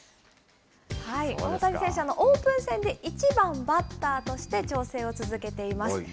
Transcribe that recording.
大谷選手、オープン戦で１番バッターとして調整を続けています。